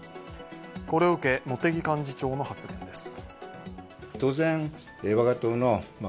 これを受け茂木幹事長の発言です。